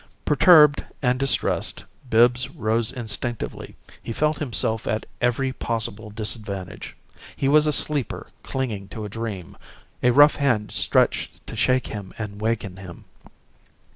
Perturbed and distressed, Bibbs rose instinctively; he felt himself at every possible disadvantage. He was a sleeper clinging to a dream a rough hand stretched to shake him and waken him.